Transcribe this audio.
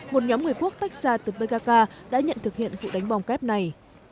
một nhóm người quốc tách ra từ pkk đã nhận thực hiện vụ đánh bom kép này